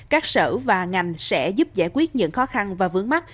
các sở và ngành sẽ giúp giải quyết những khó khăn và vướng mắt